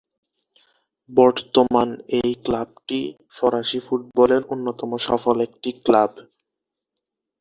বর্তমান এই ক্লাবটি ফরাসি ফুটবলের অন্যতম সফল একটি ক্লাব।